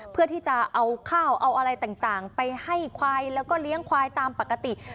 เพื่อที่จะเอาข้าวเอาอะไรต่างไปให้ควายแล้วก็เลี้ยงควายตามปกติ